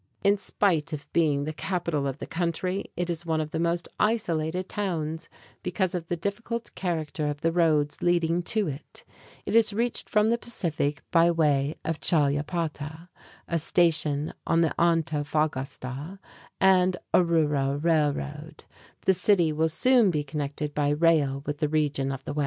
In spite of being the capital of the country, it is one of its most isolated towns, because of the difficult character of the roads leading to it. It is reached from the Pacific by way of Challapata (chahl ya pah´tah), a station on the Antofagasta (ahn toe fah gahs´ tah) and Oruro Railroad. The city will soon be connected by rail with the region of the west.